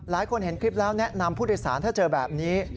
หลายคนเห็นคลิปแล้วแนะนำพูดฤษฐานถ้าเจอแบบนี้